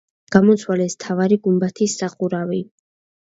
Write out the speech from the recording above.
გამოცვალეს მთავარი გუმბათის სახურავი.